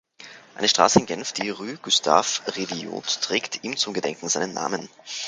Eine Straße in Genf, die "Rue Gustave-Revilliod", trägt ihm zum Gedenken seinen Namen.